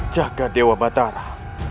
jaga dewa batara